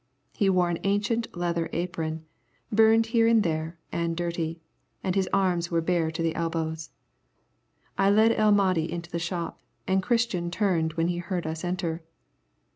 He wore an ancient leather apron, burned here and there and dirty, and his arms were bare to the elbows. I led El Mahdi into the shop, and Christian turned when he heard us enter.